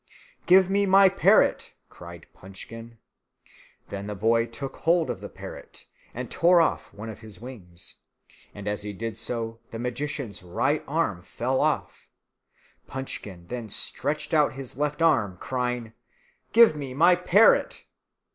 "Give me my parrot!" cried Punchkin. Then the boy took hold of the parrot and tore off one of his wings; and as he did so the magician's right arm fell off. Punchkin then stretched out his left arm, crying, "Give me my parrot!"